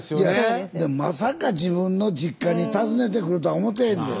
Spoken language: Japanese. でもまさか自分の実家に訪ねてくるとは思ってへんで。